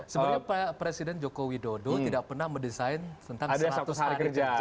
sebenarnya presiden joko widodo tidak pernah mendesain tentang seratus hari kerja